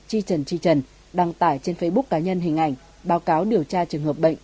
chi trần tri trần đăng tải trên facebook cá nhân hình ảnh báo cáo điều tra trường hợp bệnh